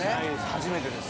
初めてです。